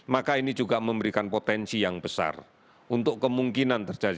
maka ini juga memberikan potensi yang besar untuk kemungkinan terjadi